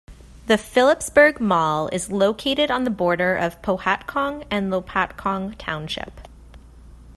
The Phillipsburg Mall is located on the border of Pohatcong and Lopatcong Township.